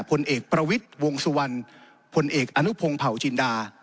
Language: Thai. ผลเอกประวิทย์วงสุวรรณพลเอกอนุพงศ์เผาจินดา